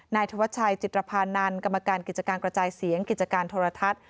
ธวัชชัยจิตรภานันต์กรรมการกิจการกระจายเสียงกิจการโทรทัศน์